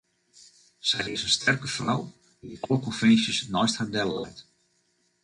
Sy is in sterke frou dy't alle konvinsjes neist har delleit.